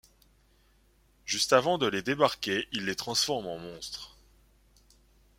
Juste avant de les débarquer, il les transforme en monstres.